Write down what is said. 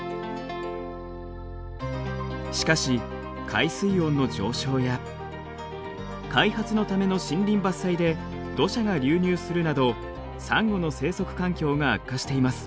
しかし海水温の上昇や開発のための森林伐採で土砂が流入するなどサンゴの生息環境が悪化しています。